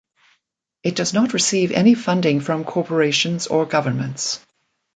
It does not receive any funding from corporations or governments.